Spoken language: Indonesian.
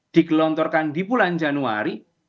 digelontorkan di bulan januari